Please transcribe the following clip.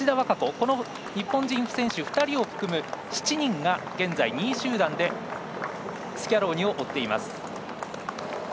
この日本人選手２人を含む７人が現在２位集団でスキャローニを追っています。